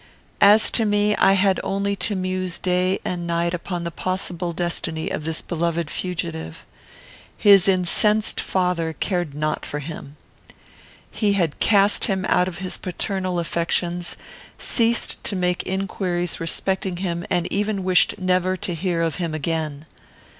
"As to me, I had only to muse day and night upon the possible destiny of this beloved fugitive. His incensed father cared not for him. He had cast him out of his paternal affections, ceased to make inquiries respecting him, and even wished never to hear of him again.